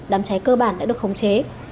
xe cơ bản đã được khống chế